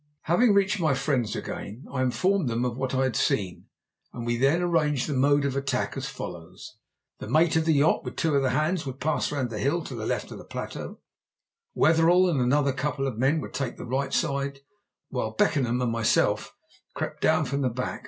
Having reached my friends again I informed them of what I had seen, and we then arranged the mode of attack as follows: The mate of the yacht, with two of the hands, would pass round the hill to the left of the plateau, Wetherell and another couple of men would take the right side, while Beckenham and myself crept down from the back.